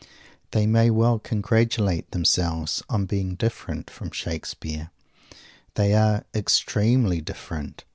They may well congratulate themselves on being different from Shakespeare. They are extremely different.